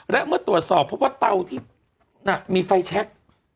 และเมื่อตรวจสอบพบว่าเตาที่มีไฟแชค